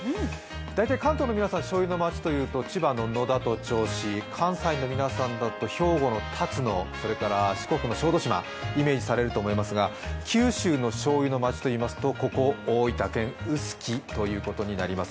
大体、関東の皆さん、しょうゆの街というと、千葉の野田と銚子、それから四国の小豆島をイメージされると思いますが、九州のしょうゆの町といいますとここ、大分県臼杵ということになります。